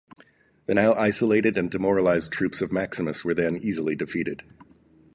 The now isolated and demoralized troops of Maximus were then easily defeated.